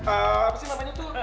apa sih namanya tuh